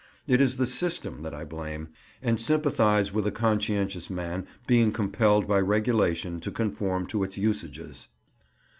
It is the system that I blame, and sympathize with a conscientious man being compelled by regulation to conform to its usages.